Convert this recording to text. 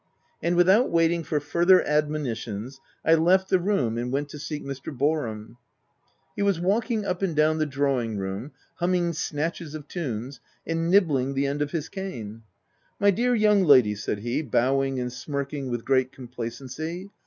And without waiting for further admonitions, I left the room, and went to seek Mr. Boar ham. He was walking up and down the draw OF WILDFELL HALL. 29L ing room, humming snatches of tunes, and nibbling the end of his cane. " My dear young lady," said he, bowing and smirking with great complacency.